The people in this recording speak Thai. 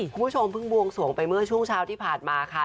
คุณผู้ชมเพิ่งบวงสวงไปเมื่อช่วงเช้าที่ผ่านมาค่ะ